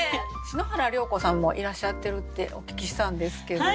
篠原涼子さんもいらっしゃってるってお聞きしたんですけど。